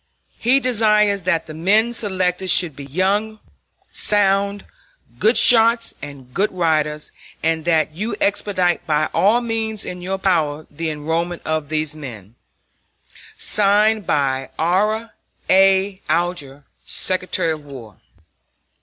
He desires that the men selected should be young, sound, good shots and good riders, and that you expedite by all means in your power the enrollment of these men. (Signed) R. A. ALGER, Secretary of War.